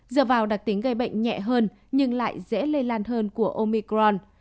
dựa vào đặc tính gây bệnh nhẹ hơn nhưng lại dễ lây lan hơn của omicron